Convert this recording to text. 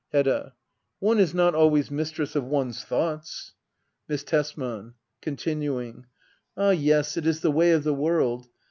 Hedda. One is not always mistress of one's thoughts Miss Tesman. [Continuing,] Ah yes, it is the way of the world.